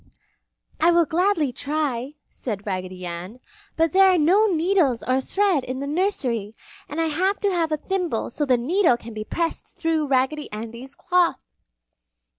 "I will gladly try," said Raggedy Ann, "but there are no needles or thread in the nursery, and I have to have a thimble so the needle can be pressed through Raggedy Andy's cloth!"